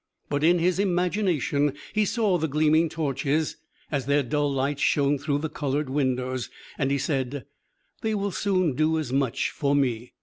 But in his imagination he saw the gleaming torches as their dull light shone through the colored windows, and he said, "They will soon do as much for me."